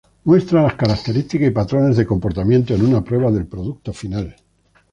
Muestran las características y patrones de comportamiento en una prueba del producto final.